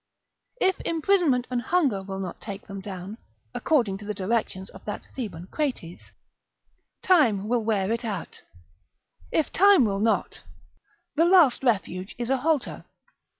If imprisonment and hunger will not take them down, according to the directions of that Theban Crates, time must wear it out; if time will not, the last refuge is a halter.